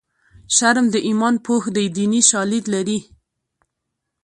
شرم د ایمان پوښ دی دیني شالید لري